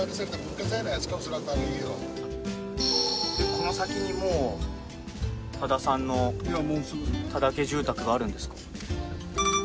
この先にもう多田さんの多田家住宅があるんですか？